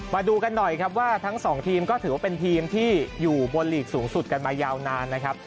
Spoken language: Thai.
มาดูกันหน่อยครับว่าทั้งสองทีมก็ถือว่าเป็นทีมที่อยู่บนหลีกสูงสุดกันมายาวนานนะครับ